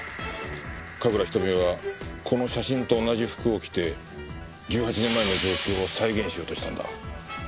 神楽瞳はこの写真と同じ服を着て１８年前の状況を再現しようとしたんだ。